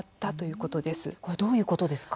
これ、どういうことですか。